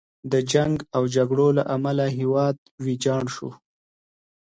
د جنګ او جګړو له امله هیواد ویجاړ شو.